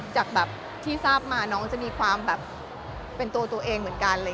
จากแบบที่ทราบมาน้องจะมีความแบบเป็นตัวตัวเองเหมือนกัน